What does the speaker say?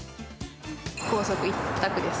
高速一択です。